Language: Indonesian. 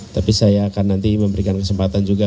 tapi saya akan nanti memberikan kesempatan juga